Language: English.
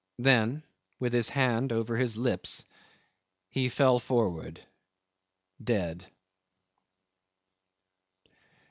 Then with his hand over his lips he fell forward, dead.